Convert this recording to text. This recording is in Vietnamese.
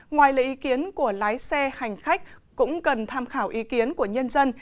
ngoài lấy ý kiến của lái xe hành khách cũng cần tham khảo ý kiến của nhân dân